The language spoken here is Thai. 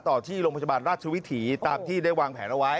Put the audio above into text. ต่อที่โรงพยาบาลราชวิถีตามที่ได้วางแผนเอาไว้